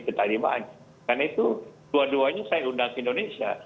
karena itu dua duanya saya undang ke indonesia